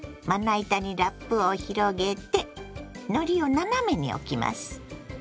まな板にラップを広げてのりを斜めに置きます。